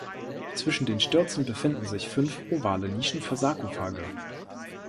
Zwischen den Stürzen befinden sich fünf ovale Nischen für Sarkophage.